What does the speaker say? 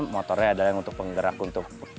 motornya adalah yang untuk penggerak untuk